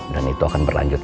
dan itu akan berlanjut